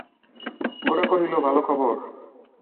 গোরা কহিল, ভালো খবর।